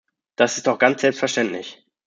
Das ist doch ganz selbstverständlich.